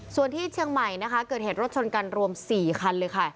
ส่วนที่เชียงใหม่นะคะเกิดเหตุรถชนกันรวม๔คันเลยค่ะ